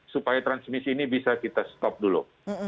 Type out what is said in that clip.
supaya transmisi ini bisa kita stop dulu